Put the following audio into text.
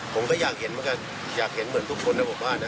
ผมก็อยากเห็นเหมือนกันอยากเห็นเหมือนทุกคนนะผมว่านะ